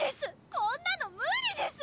こんなの無理です！